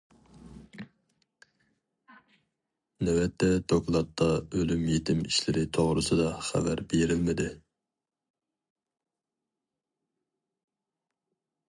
نۆۋەتتە دوكلاتتا ئۆلۈم يېتىم ئىشلىرى توغرىسىدا خەۋەر بېرىلمىدى.